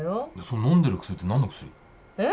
のんでる薬って何の薬？え？